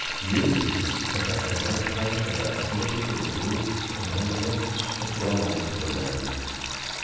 Years, perhaps a lifetime of activity in the woods and on the lakes, had bronzed the man.